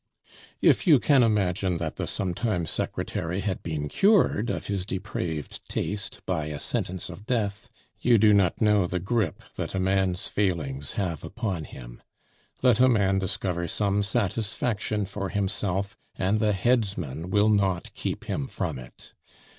"If you can imagine that the sometime secretary had been cured of his depraved taste by a sentence of death, you do not know the grip that a man's failings have upon him; let a man discover some satisfaction for himself, and the headsman will not keep him from it.